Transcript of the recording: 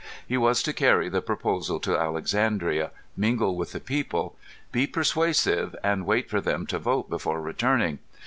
He was to carry the proposal to Alexandria, mingle with the people, be persuasive and wait for them to vote before returning.